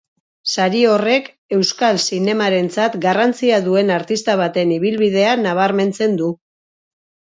Sari horrek, euskal zinemarentzat garrantzia duen artista baten ibilbidea nabarmentzen du.